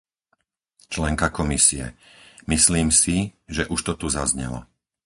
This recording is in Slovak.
členka Komisie. - Myslím si, že už to tu zaznelo.